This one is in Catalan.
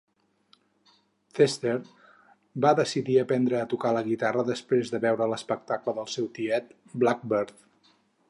Cester va decidir aprendre a tocar la guitarra després de veure l"espectable del seu tiet "Blackbird".